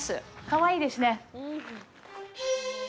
かわいいですね。